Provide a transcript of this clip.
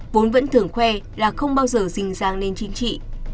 vốn vẫn thường khoe là không bao giờ rình ràng lên chính trị